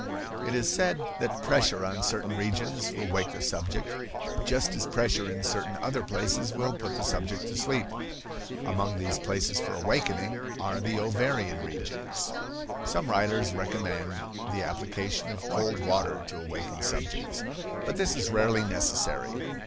It is said that pressure on certain regions will wake the subject, just as pressure in certain other places will put the subject to sleep. Among these places for awakening are the ovarian regions. Some writers recommend the application of cold water to awaken subjects, but this is rarely necessary.